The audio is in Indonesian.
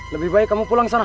lebih baik kamu pulang ke sana